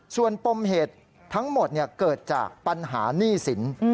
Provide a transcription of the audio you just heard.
ส่วนปมเหตุทั้งหมดเกิดจากปัญหาหนี้สิน